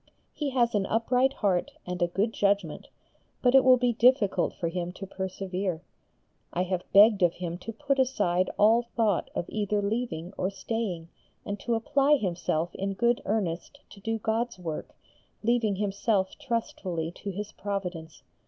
He has an upright heart and a good judgement, but it will be difficult for him to persevere. I have begged of him to put aside all thought of either leaving or staying, and to apply himself in good earnest to do God's work, leaving himself trustfully to His Providence.